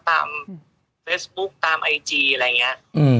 ตามเฟซบุ๊คตามไอจีอะไรอย่างนี้